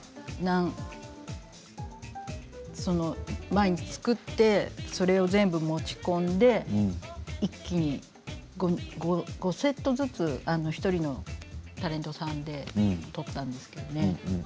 毎日作ってそれを全部持ち込んで一気に５セットずつ１人のタレントさんに撮ったんですけど。